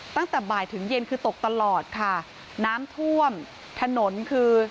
ตั้งแต่บ่ายถึงเย็นคือตกตลอดค่ะน้ำท่วมถนนคือ